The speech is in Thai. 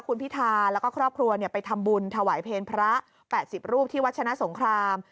คุณพิธาแล้วก็ครอบครัวไปทำบุญถวายเพลงพระ๘๐รูปที่วัชนะสงคราม